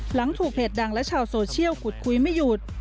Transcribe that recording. หลังถูกเพจดังและชาวโซเชียลขุดคุยไม่หยุด